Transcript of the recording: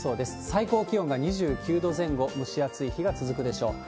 最高気温が２９度前後、蒸し暑い日が続くでしょう。